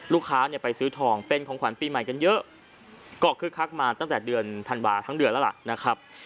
ลูกค้าเนี่ยไปซื้อทองเป็นของขวัญปีใหม่กันเยอะก็คึกคักมาตั้งแต่เดือนธันวาทั้งเดือนแล้วล่ะนะครับ